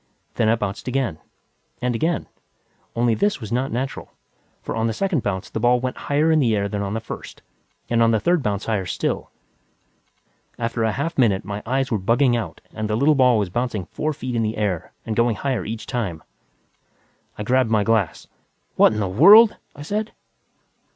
Then it bounced again. And again. Only this was not natural, for on the second bounce the ball went higher in the air than on the first, and on the third bounce higher still. After a half minute, my eyes were bugging out and the little ball was bouncing four feet in the air and going higher each time. I grabbed my glass. "What the hell!" I said.